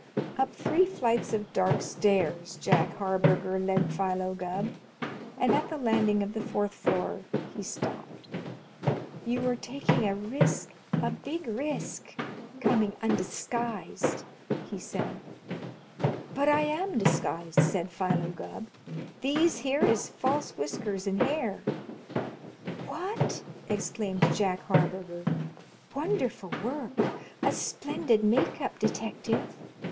Up three flights of dark stairs, Jack Harburger led Philo Gubb, and at the landing of the fourth floor he stopped. [Illustration: "THESE HERE IS FALSE WHISKERS AND HAIR"] "You were taking a risk a big risk coming undisguised," he said. "But I am disguised," said Philo Gubb. "These here is false whiskers and hair." "What!" exclaimed Jack Harburger. "Wonderful work! A splendid make up, detective!